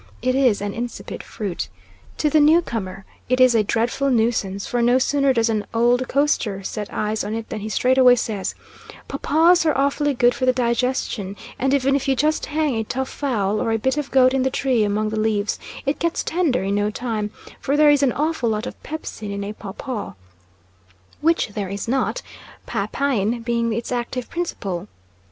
It is an insipid fruit. To the newcomer it is a dreadful nuisance, for no sooner does an old coaster set eyes on it than he straightway says, "Paw paws are awfully good for the digestion, and even if you just hang a tough fowl or a bit of goat in the tree among the leaves, it gets tender in no time, for there is an awful lot of pepsine in a paw paw," which there is not, papaine being its active principle.